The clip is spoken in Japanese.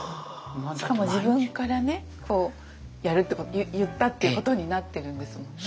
しかも自分からねやるって言ったってことになってるんですもんね。